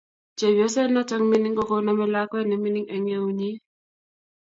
Chepyoset notok mining ko kanamei lakwet ne mining eng eunnyi